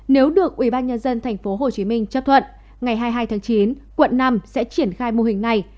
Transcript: nếu được ubnd tp hcm chấp thuận ngày hai mươi hai tháng chín quận năm sẽ triển khai mô hình này